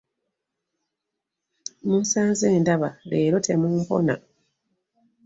Musanze ndaba, leero temumpona.